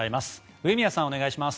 上宮さん、お願いします。